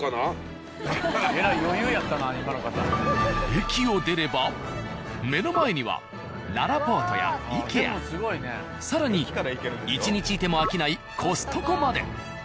駅を出れば目の前にはららぽーとや「ＩＫＥＡ」更に１日いても飽きない「コストコ」まで。